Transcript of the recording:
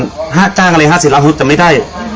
ถ้าจ้างอะไร๕๐ล้านหุ้นแต่ไม่ได้